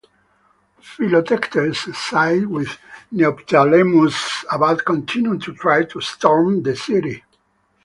Philoctetes sided with Neoptolemus about continuing to try to storm the city.